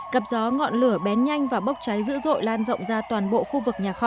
cặp gió ngọn lửa bén nhanh và bốc cháy dữ dội lan rộng ra toàn bộ khu vực nhà kho